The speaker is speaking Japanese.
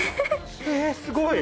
えすごい！